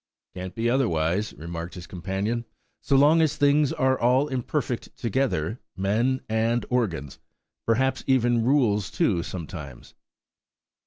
"Can't be otherwise," remarked his companion, "so long as things are all imperfect together–men and organs–and perhaps even rules too, sometimes."